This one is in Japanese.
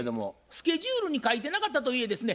スケジュールに書いてなかったといえですね